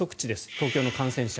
東京の感染者。